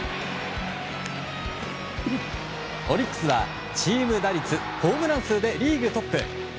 オリックスはチーム打率ホームラン数でリーグトップ。